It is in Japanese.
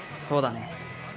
そうだね